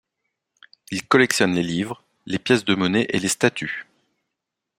Il collectionne les livres, les pièces de monnaie et les statues.